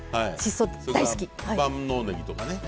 それから万能ねぎとかね。